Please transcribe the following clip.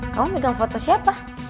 kamu pegang foto siapa